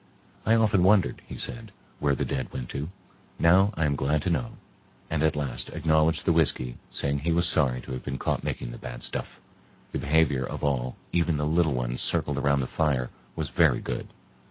"I often wondered," he said, "where the dead went to. Now I am glad to know"; and at last acknowledged the whiskey, saying he was sorry to have been caught making the bad stuff. The behavior of all, even the little ones circled around the fire, was very good.